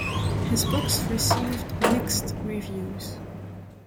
His books received mixed reviews.